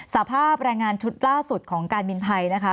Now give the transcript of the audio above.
สภาพแรงงานชุดล่าสุดของการบินไทยนะคะ